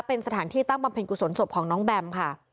เป็นสถานที่ตั้งบำเพ็ญกุศลศพของน้องแบมค่ะ